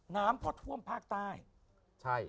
น้ำพอท่วมภาคใต้ใช่